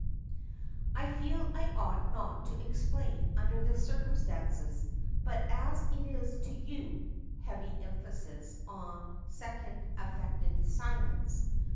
"I feel I ought not to explain under the circumstances, but as it is to you" heavy emphasis, and a second affected silence.